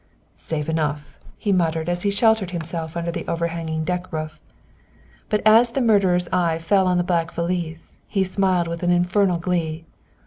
"Safe enough," he muttered, as he sheltered himself under the overhanging deck roof. But as the murderer's eye fell on the black valise, he smiled with an infernal glee.